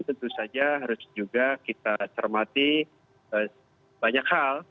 tentu saja harus juga kita cermati banyak hal